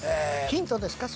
ヒントですか？